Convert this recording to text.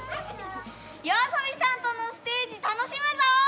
ＹＯＡＳＯＢＩさんとのステージ楽しむぞ！